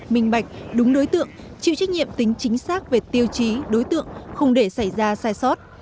minh bạch đúng đối tượng chịu trách nhiệm tính chính xác về tiêu chí đối tượng không để xảy ra sai sót